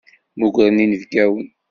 Mmugren inebgawen.